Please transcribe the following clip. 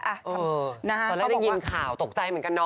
ตอนแรกได้ยินข่าวตกใจเหมือนกันเนาะ